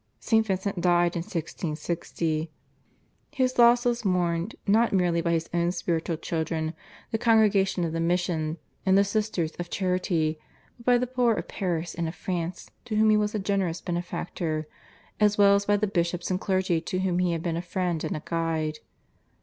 St. Vincent died in 1660. His loss was mourned not merely by his own spiritual children, the Congregation of the Mission and the Sisters of Charity, but by the poor of Paris and of France to whom he was a generous benefactor, as well as by the bishops and clergy to whom he had been a friend and a guide.